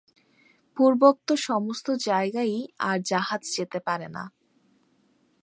পূর্বোক্ত সমস্ত জায়গায়ই আর জাহাজ যেতে পারে না।